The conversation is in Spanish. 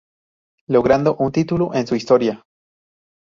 Logrando un título en su historia.